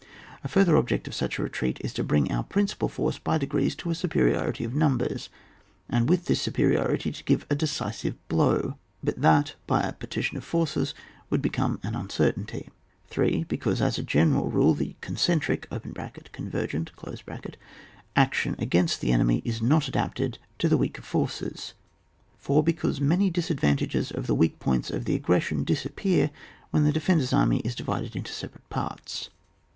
A further object of such a retreat, is to bring our principal force by degrees to a superiority of numbers, and with this superiority to g^ve a decisive blow, but that by a partition of forces would become an uncertainty. 3. Because as a general rule the con centric (convergent) action against the ene my is not adapted to the weaker forces. 4. Because many disadvantages of the weak points of the aggression dis appear when the defender's army is divided into separate parts.